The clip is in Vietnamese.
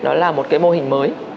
đó là một cái mô hình mới